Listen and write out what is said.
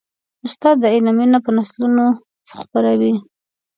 استاد د علم مینه په نسلونو خپروي.